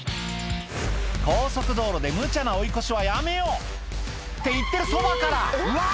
高速道路でムチャな追い越しはやめようって言ってるそばからうわ！